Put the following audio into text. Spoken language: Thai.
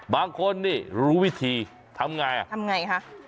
บางคนรู้วิธีทำยังไงทำอย่างไรคะ